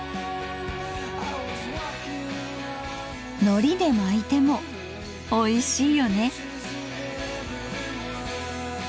のりで巻いてもおいしいよね。